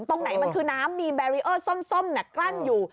ตรงไหนมันคือน้ำมีแบรีเออร์ส้มกลั้นอยู่